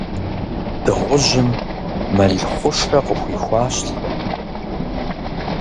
Дыгъужьым мэл хъушэ къыхуихуащ лӀым.